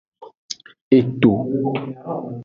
Eto.